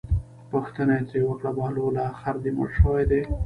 پوښتنه یې ترې وکړه بهلوله خر دې مړ شوی دی.